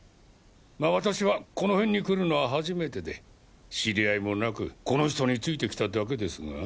まあ私はこの辺に来るのは初めてで知り合いもなくこの人に付いてきただけですが。